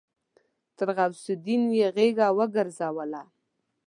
تر غوث الدين يې غېږه وګرځوله.